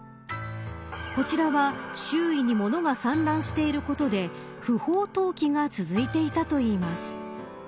こちらは周囲に物が散乱していることで不法投棄が続いていたといいます。